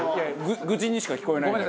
愚痴にしか聞こえないんだけど。